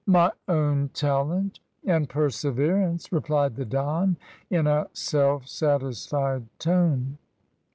"My own talent and perseverance," replied the Don, in a self satisfied tone.